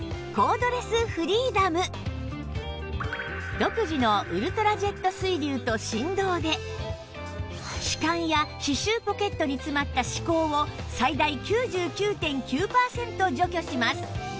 独自のウルトラジェット水流と振動で歯間や歯周ポケットに詰まった歯垢を最大 ９９．９ パーセント除去します